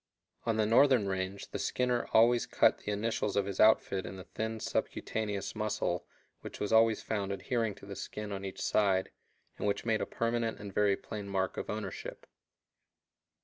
On the northern range the skinner always cut the initials of his outfit in the thin subcutaneous muscle which was always found adhering to the skin on each side, and which made a permanent and very plain mark of ownership.